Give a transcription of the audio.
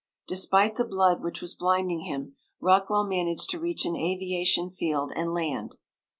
Despite the blood which was blinding him Rockwell managed to reach an aviation field and land.